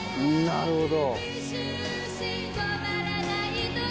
なるほど。